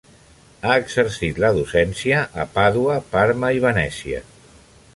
Ha exercit la docència a Pàdua, Parma i Venècia.